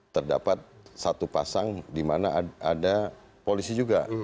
terdapat satu pasang di mana ada polisi juga